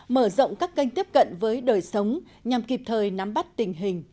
mở rộng các kênh tiếp cận với đời sống nhằm kịp thời nắm bắt tình hình